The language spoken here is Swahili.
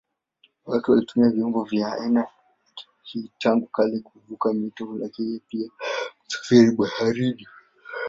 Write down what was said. Watu walitumia vyombo vya aina hii tangu kale kuvuka mito lakini pia kusafiri baharini.